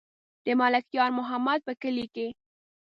د ملک یار محمد په کلي کې.